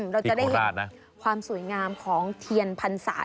เราจะได้เห็นความสวยงามของเทียนพรรษา